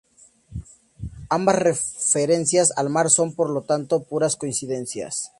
Ambas referencias al mar son, por lo tanto, puras coincidencias.